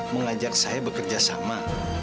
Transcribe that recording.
mengajak saya bekerja sama